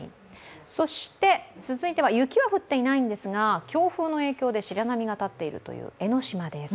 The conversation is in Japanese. そして続いては、雪は降っていないんですが、強風の影響で白波が立っているという江の島です。